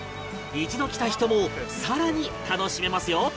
一度来た人も更に楽しめますよ